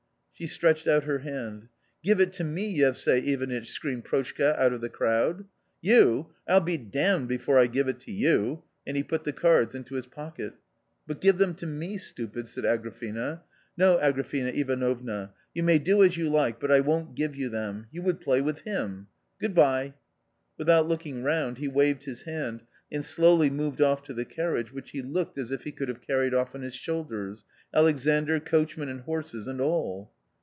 * She stretched QuLher haad. " Give it to me, Yevsay Ivanitch !" screamed Proshka out o f the crow d. r ouj_ Til j?e damned frefore I^ive it to you,'' and h? put the €a*ds into bin pooket. " But givfijLhfimJp me, stupid !" said^Agrafiena^ " No ^Agrafena Ivano vn^ ' yfiTTmay do as you like , but I ™ nnV ffiy* y™ 1 fV )frn ; ypn ^"^JLlifiZ^!^ ^"^ ""XS>od bye! " Without looking round he waved his Tiand and slowly moved off to the carriage which he looked as if he could have carried off on his shoulders — Alexandr, coachman and horses and all.